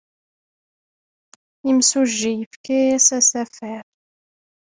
Imsujji yefka-as asafar.